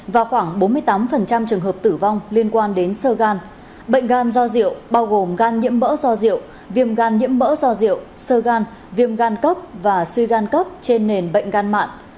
bệnh gan do diệu bao gồm gan nhiễm mỡ do diệu viêm gan nhiễm mỡ do diệu sơ gan viêm gan cấp và suy gan cấp trên nền bệnh gan mạn